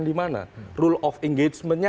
di mana rule of engagementnya